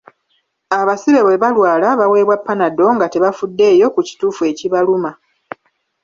Abasibe bwe balwala baweebwa "Panadol" nga tebafuddeyo ku kituufu ekibaluma.